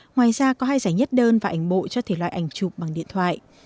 ngoài ra có hai giải nhất đơn và ảnh bộ cho thể loại ảnh chụp bằng điện thoại